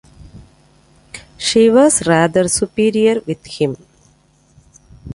She was rather superior with him.